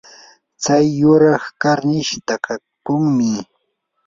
tsay yuraq karnish takakunmi.